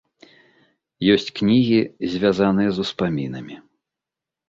Ёсць кнігі, звязаныя з успамінамі.